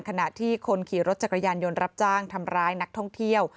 ขณะที่คนขี่รถจักรยานยนต์รับจ้างทำร้ายนักท่องเที่ยว